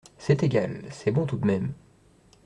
C'est égal … c'est bon tout de même …